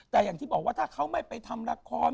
แต่อย่างที่บอกว่าถ้าเขาไม่ไปทำละคร